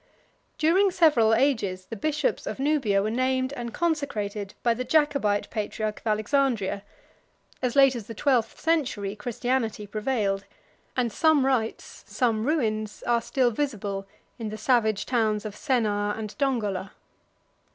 153 During several ages, the bishops of Nubia were named and consecrated by the Jacobite patriarch of Alexandria: as late as the twelfth century, Christianity prevailed; and some rites, some ruins, are still visible in the savage towns of Sennaar and Dongola.